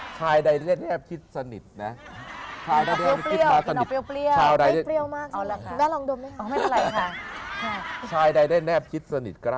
ชายใดได้แนบคิดสนิท